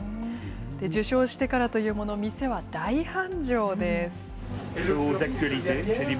受賞してからというもの、店は大繁盛です。